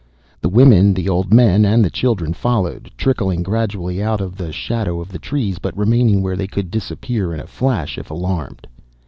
The women, the old men, and the children followed, trickling gradually out of the shadow of the trees but remaining where they could disappear in a flash if alarmed.